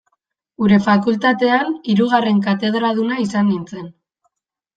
Gure fakultatean, hirugarren katedraduna izan nintzen.